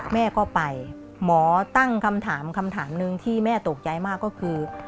แม่ก็ไปหมอตั้งคำถามคำถามหนึ่งที่แม่ตกใจมากก็คือ